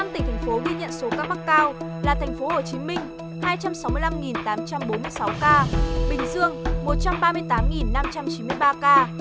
năm tỉnh thành phố ghi nhận số ca mắc cao là tp hcm hai trăm sáu mươi năm tám trăm bốn mươi sáu ca bình dương một trăm ba mươi tám năm trăm chín mươi ba ca